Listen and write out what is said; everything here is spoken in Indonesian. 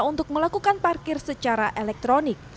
untuk melakukan parkir secara elektronik